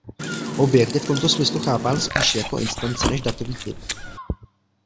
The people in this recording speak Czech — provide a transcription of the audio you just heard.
Objekt je v tomto smyslu chápán spíše jako instance než datový typ.